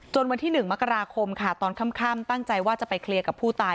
วันที่๑มกราคมค่ะตอนค่ำตั้งใจว่าจะไปเคลียร์กับผู้ตาย